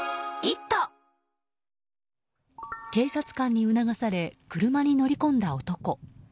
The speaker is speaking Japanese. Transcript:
警察官に促され車に乗り込んだ男。